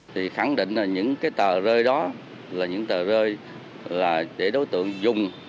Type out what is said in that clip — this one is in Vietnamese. thì khẳng định là những cái tờ rơi đó là những tờ rơi là để đối tượng dùng